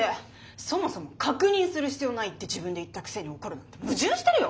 そもそも確認する必要ないって自分で言ったくせに怒るなんて矛盾してるよ。